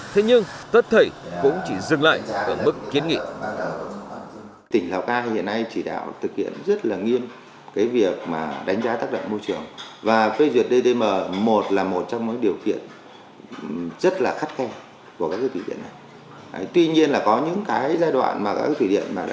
thế nhưng tất thầy cũng chỉ dừng lại ở mức kiến nghị